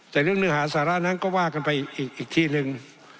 แต่เรื่องเนื้อหาสาระนั้นก็ว่ากันไปอีกที่หนึ่ง